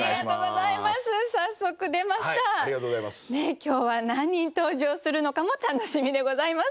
今日は何人登場するのかも楽しみでございます。